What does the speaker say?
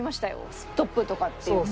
「ストップ」とかって言って。